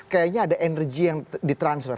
kayaknya ada energi yang di transfer